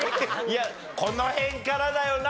この辺からだよな。